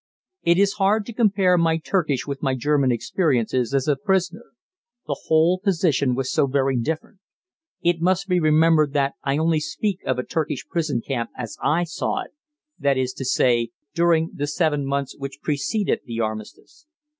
It is hard to compare my Turkish with my German experiences as a prisoner. The whole position was so very different. It must be remembered that I only speak of a Turkish prison camp as I saw it that is to say, during the seven months which preceded the Armistice.